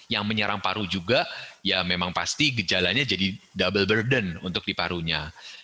yang menyerang paru juga ya memang pasti gejalanya jadi double burden untuk di parunya